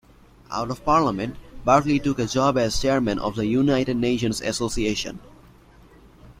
Out of Parliament, Berkeley took a job as Chairman of the United Nations Association.